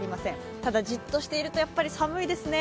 ただ、じっとしているとやはり寒いですね。